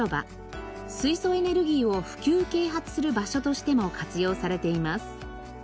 水素エネルギーを普及啓発する場所としても活用されています。